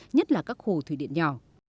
nhất là các hồ thủy điện nhỏ